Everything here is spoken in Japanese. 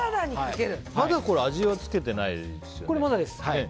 まだ味は付けてないですよね。